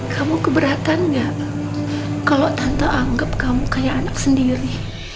kamu keberatan gak kalau tante anggap kamu kayak anak sendiri